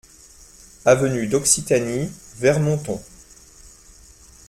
Avenue D'Occitanie, Veyre-Monton